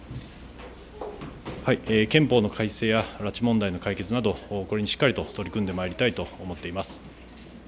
憲法の改正や拉致問題の解決などこれにしっかりと取り組んでまいりたいと思っています。